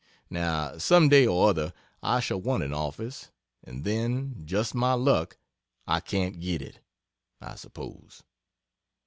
Now, some day or other I shall want an office and then, just my luck, I can't get it, I suppose.